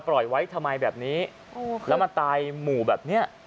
ปล่อยไว้ทำไมแบบนี้แล้วมาตายหมู่แบบเนี้ย